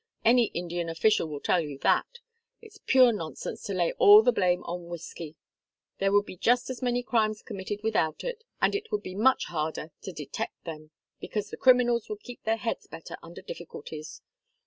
Any Indian official will tell you that. It's pure nonsense to lay all the blame on whiskey. There would be just as many crimes committed without it, and it would be much harder to detect them, because the criminals would keep their heads better under difficulties.